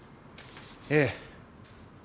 ええ。